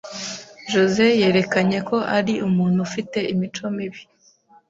José yerekanye ko ari umuntu ufite imico mibi.